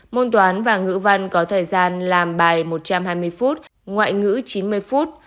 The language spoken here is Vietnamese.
môn toán và ngữ văn có thời gian làm bài một trăm hai mươi phút ngoại ngữ chín mươi phút